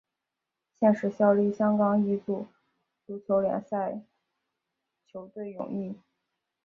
现时效力香港乙组足球联赛球队永义。